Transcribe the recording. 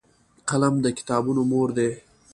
قلم د کتابونو مور دی